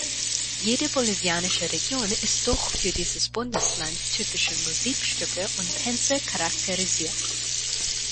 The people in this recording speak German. Jede bolivianische Region ist durch für dieses Bundesland typische Musikstücke und Tänze charakterisiert.